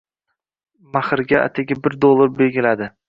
Mahrga atigi bir dollar belgiladi